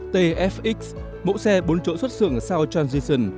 tf x mẫu xe bốn chỗ xuất xưởng sau transition